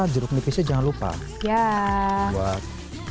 jiruk nipis nya jangan lupa buat